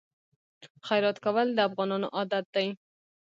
خیرات کول د افغانانو عادت دی.